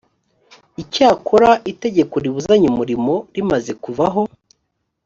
icyakora itegeko ribuzanya umurimo rimaze kuvaho